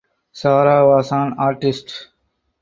Sarah was an artist.